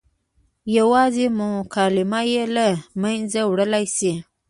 یوازې مکالمه یې له منځه وړلی شي.